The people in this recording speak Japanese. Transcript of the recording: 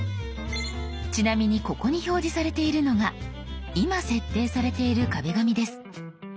ちなみにここに表示されているのが今設定されている壁紙です。